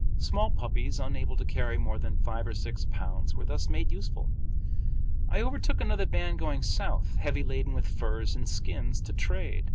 Small puppies, unable to carry more than five or six pounds, were thus made useful. I overtook another band going south, heavy laden with furs and skins to trade.